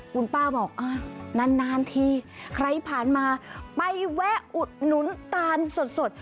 คุณป้าบอกนานทีใครผ่านมาไปแวะอุดหนุนตาลสด